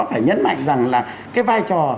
phải nhấn mạnh rằng là cái vai trò